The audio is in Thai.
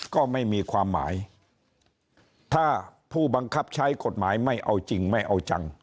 ก็ไม่มีความหมายถ้าผู้บังคับใช้กฎหมายไม่เอาจริงไม่เอาจัง